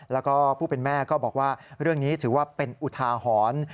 แล้วก็ผู้เป็นแม่ก็บอกว่าเรื่องนี้ถือว่าเป็นอุทาหรณ์